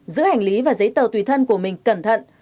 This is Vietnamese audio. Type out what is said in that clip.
giữa hành lý và giấy tờ tùy thân của mình cẩn thận